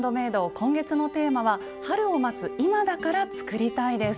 今月のテーマは「春を待つ今だから作りたい」です。